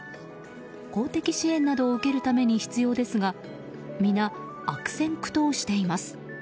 公的支援などを受けるために必要ですが皆、悪戦苦闘しています。